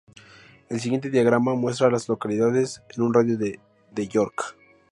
El siguiente diagrama muestra a las localidades en un radio de de York.